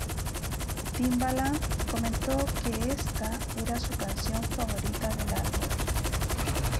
Timbaland comentó que esta era su canción favorita del álbum.